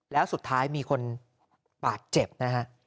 แล้วสุดท้ายมีคนบาดเจ็บนะฮะ